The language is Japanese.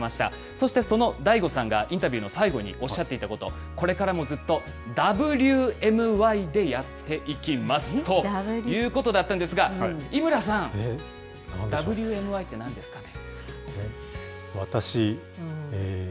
そしてそのＤＡＩＧＯさんが、インタビューの最後におっしゃっていたこと、これからもずっと、ＷＭＹでやっていきますということだったんですが、井村さん、ＷＭＹってなんですかね。